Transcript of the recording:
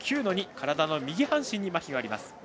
体の右半身にまひがあります。